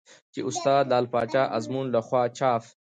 چې استاد لعل پاچا ازمون له خوا چاپ